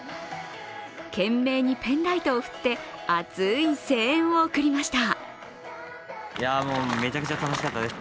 懸命にペンライトを振って、熱い声援を送りました。